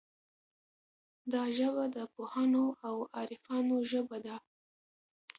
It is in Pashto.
دا ژبه د پوهانو او عارفانو ژبه ده.